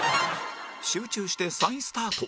集中して再スタート